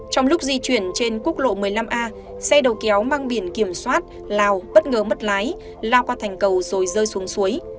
trong lúc di chuyển trên quốc lộ một mươi năm a xe đầu kéo mang biển kiểm soát lào bất ngờ mất lái lao qua thành cầu rồi rơi xuống suối